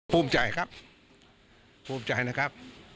ภูมิใจครับภูมิใจนะครับ